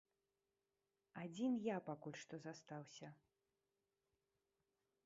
Адзін я пакуль што застаўся.